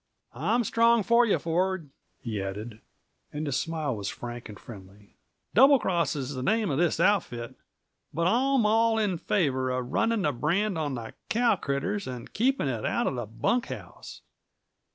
"I'm strong for you, Ford," he added, and his smile was frank and friendly. "Double Cross is the name of this outfit, but I'm all in favor of running that brand on the cow critters and keeping it out of the bunk house.